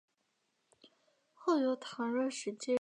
后由唐若时接任。